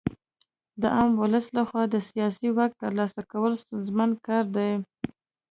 د عام ولس لخوا د سیاسي واک ترلاسه کول ستونزمن کار دی.